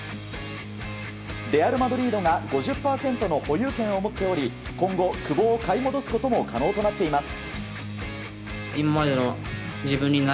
レアル・マドリードが５０％の保有権を持っており今後、久保を買い戻すことも可能となっています。